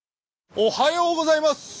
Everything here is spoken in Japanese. おはようございます！